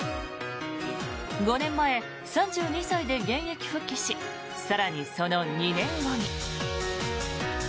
５年前、３２歳で現役復帰し更にその２年後に。